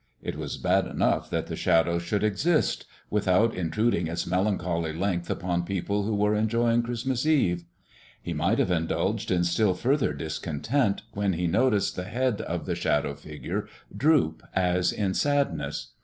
It was bad enough that the Shadow should exist, without intruding its melancholy length upon people who were enjoying Christmas Eve. He might have indulged in still further discontent, when he noticed the head of the Shadow figure droop as in sadness.